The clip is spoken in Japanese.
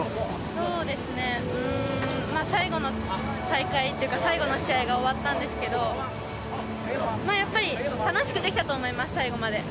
そうですね、最後の大会っていうか、最後の試合が終わったんですけど、やっぱり、楽しくできたと思います、最後まで。